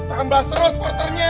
tambah seru supporternya